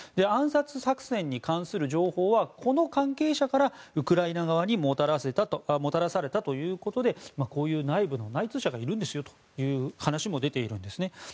暗殺作戦に関する情報はこの関係者からウクライナ側にもたらされたということでこういう内部の内通者がいるんですよという話もあるんです。